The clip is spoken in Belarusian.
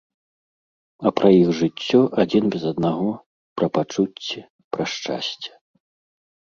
А пра іх жыццё адзін без аднаго, пра пачуцці, пра шчасце.